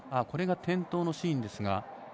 これが転倒のシーンです。